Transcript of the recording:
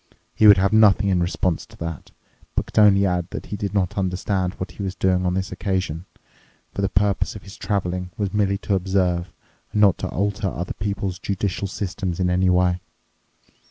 He would have nothing in response to that, but could only add that he did not understand what he was doing on this occasion, for the purpose of his traveling was merely to observe and not to alter other people's judicial systems in any way.